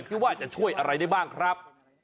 คือว่าจะช่วยอะไรได้บ้างครับ